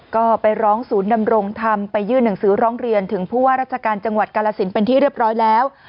ก็ไปร้องศูนย์ดำรงธรรมไปยื่นหนังสือร้องเรียนถึงผู้ว่าราชการจังหวัดกาลสินเป็นที่เรียบร้อยแล้ว